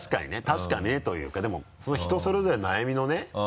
確かにねというかでも人それぞれ悩みのね